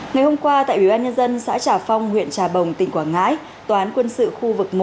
ngày hôm qua tại ủy ban nhân dân xã trà phong huyện trà bồng tỉnh quảng ngãi tòa án quân sự khu vực một